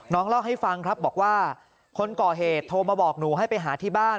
น้องเล่าให้ฟังครับบอกว่าคนก่อเหตุโทรมาบอกหนูให้ไปหาที่บ้าน